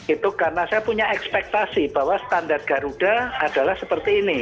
itu karena saya punya ekspektasi bahwa standar garuda adalah seperti ini